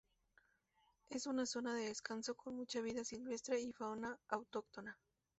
Es una zona de descanso con mucha vida silvestre y fauna autóctona.